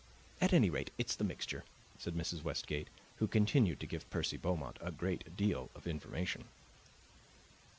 At any rate, it's the mixture," said Mrs. Westgate, who continued to give Percy Beaumont a great deal of information.